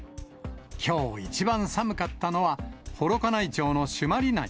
きょう一番寒かったのは、幌加内町の朱鞠内。